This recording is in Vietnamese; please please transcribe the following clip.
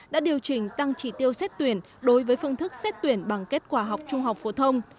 đã điều chỉnh tăng trị tiêu xét tuyển đối với phương thức xét tuyển bằng kết quả học trung học phổ thông